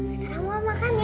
sekarang mama makan ya